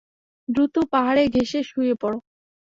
দ্রুত, পাহাড়ে ঘেষে শুয়ে পড়!